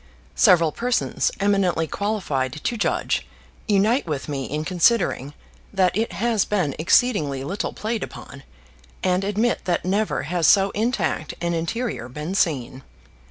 Several persons eminently qualified to judge unite with me in considering that it has been exceedingly little played upon, and admit that never has so intact an interior been seen.